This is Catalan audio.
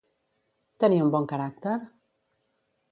Tenia un bon caràcter?